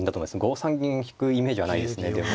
５三銀を引くイメージはないですねでも。